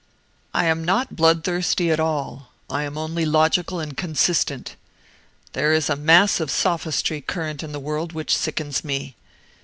"I am not bloodthirsty at all; I am only logical and consistent. There is a mass of sophistry current in the world which sickens me.